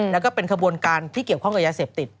แล้วก็เป็นขบวนการที่เกี่ยวข้องกับยาเสพติด